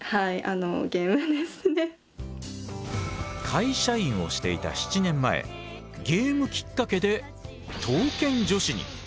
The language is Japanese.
会社員をしていた７年前ゲームきっかけで刀剣女子に。